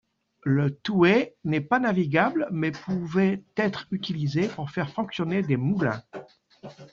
Le Thouet n’est pas navigable mais pouvait être utilisé pour faire fonctionner des moulins.